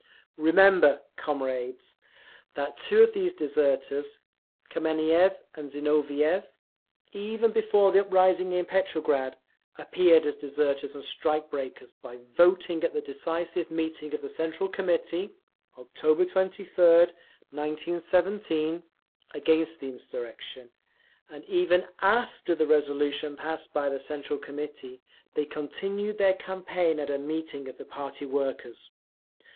Remember, comrades, that two of these deserters, Kameniev and Zinoviev, even before the uprising in Petrograd, appeared as deserters and strike breakers, by voting at the decisive meeting of the Central Committee, October 23d, 1917, against the insurrection; and even AFTER the resolution passed by the Central Committee, they continued their campaign at a meeting of the party workers….